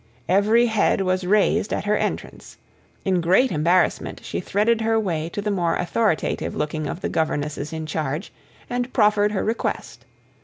Every head was raised at her entrance. In great embarrassment, she threaded her way to the more authoritative looking of the governesses in charge, and proffered her request.